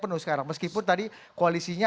penuh sekarang meskipun tadi koalisinya